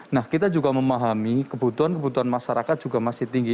nah kita juga memahami kebutuhan kebutuhan masyarakat juga masih tinggi